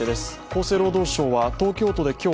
厚生労働省は東京都で今日